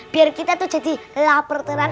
biar kita tuh jadi lapar terang